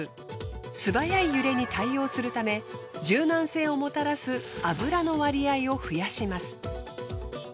素早い揺れに対応するため柔軟性をもたらす油の割合を増やします。